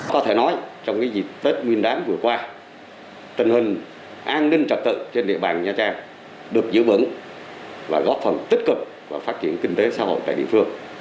có thể nói trong dịp tết nguyên đáng vừa qua tình hình an ninh trật tự trên địa bàn nha trang được giữ vững và góp phần tích cực vào phát triển kinh tế xã hội tại địa phương